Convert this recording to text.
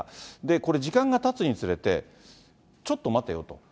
これ、時間がたつにつれて、ちょっと待てよと。